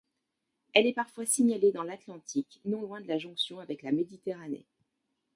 Elle est parfois signalée dans l'Atlantique, non loin de la jonction avec la Méditerranée.